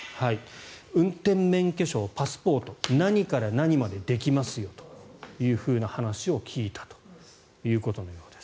運転免許証、パスポート何から何までできますよという話を聞いたということのようです。